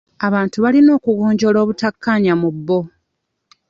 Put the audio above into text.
Abantu balina okugonjoolanga obutakkaanya mu bbo.